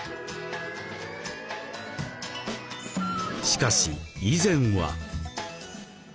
しかし以前は。